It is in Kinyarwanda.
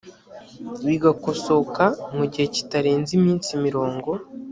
bigakosoka mu gihe kitarenze iminsi mirongo